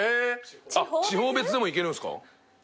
地方別でもいけるんすか？